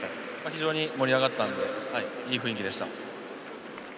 非常に盛り上がったのでいい雰囲気でした。